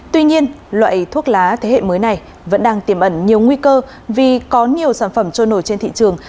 tuy nhiên loại thuốc lá thế hệ mới này vẫn đang tiềm ẩn nhiều nguy cơ vì có nhiều sản phẩm trôi nổi trên thị trường